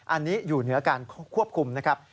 อันนี้อยู่เหนือการควบคุมนะครับ